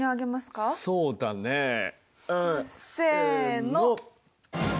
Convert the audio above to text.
せの！